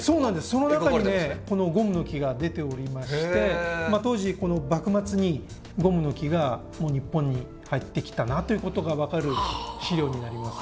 その中にねこのゴムノキが出ておりまして当時この幕末にゴムノキがもう日本に入ってきたなという事が分かる資料になります。